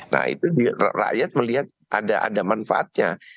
nah itu rakyat melihat ada manfaatnya